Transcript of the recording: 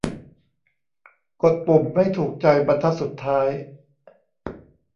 กดปุ่มไม่ถูกใจบรรทัดสุดท้าย